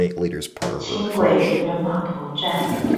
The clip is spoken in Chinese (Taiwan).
輕軌漁人碼頭站